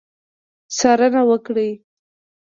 څارنه وکړي.